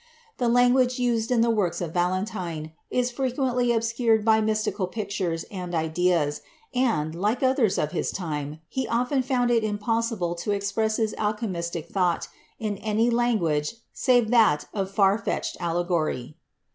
The language used in the works of Valentine is frequently obscured by mysti cal pictures and ideas, and, like others of his time, he often found it impossible to express his alchemistic thought in any language save that of far fetched allegory.